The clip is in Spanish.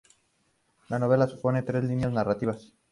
La novela superpone tres líneas narrativas.